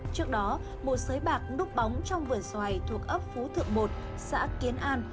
trước đó một xới bạc nút bóng trong vườn xoài thuộc ấp phú thượng một xã kiến an